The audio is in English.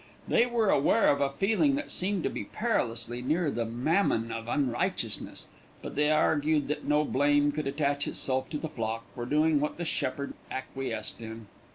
They were aware of a feeling that seemed to be perilously near the mammon of unrighteousness; but they argued that no blame could attach itself to the flock for doing what the shepherd acquiesced in.